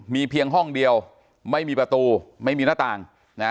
มีเพียงห้องเดียวไม่มีประตูไม่มีหน้าต่าง